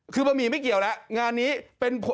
คือบะหมี่ไม่เกี่ยวแล้วงานนี้เป็นผม